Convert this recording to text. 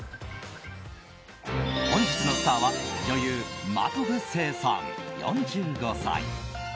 本日のスターは女優・真飛聖さん、４５歳。